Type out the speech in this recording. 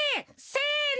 せの！